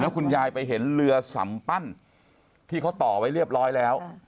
คุณยายไปเห็นเรือสัมปั้นที่เขาต่อไว้เรียบร้อยแล้ว